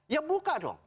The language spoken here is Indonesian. ya buka dong